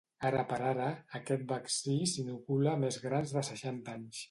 Ara per ara, aquest vaccí s’inocula a més grans de seixanta anys.